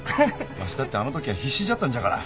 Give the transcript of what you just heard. わしだってあのときは必死じゃったんじゃから。